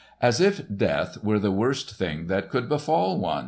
"As if death were the worst thing that could befall one!"